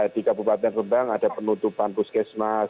dikabupaten rembang ada penutupan puskesmas